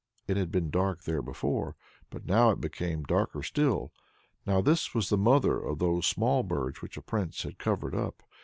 It had been dark there before, but now it became darker still. Now this was the mother of those small birds which the Prince had covered up.